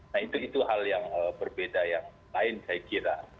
nah itu hal yang berbeda yang lain saya kira